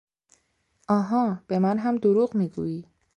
آها! به من هم دروغ میگویی!